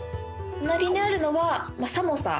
隣にあるのはサモサ。